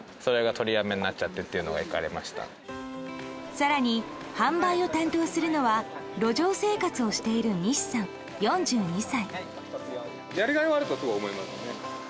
更に、販売を担当するのは路上生活をしている西さん、４２歳。